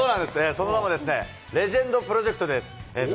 その名もですね、レジェンドプロジェクトです。